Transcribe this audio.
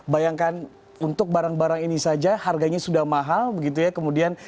bayangkan untuk barang barang ini saja harganya sudah mahal begitu ya